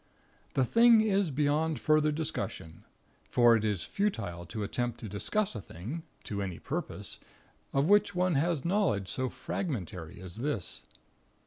"The thing is beyond further discussion; for it is futile to attempt to discuss a thing, to any purpose, of which one has a knowledge so fragmentary as this.